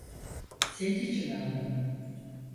Senin için aldım.